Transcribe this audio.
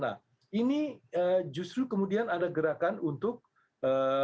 nah ini justru kemudian ada gerakan untuk membuatnya lebih berbahaya